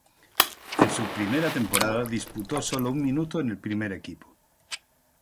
En su primera temporada disputó sólo un minuto en el primer equipo.